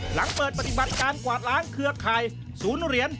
หลังเปิดปฏิบัติการกวาดล้างเครือข่ายศูนย์เหรียญ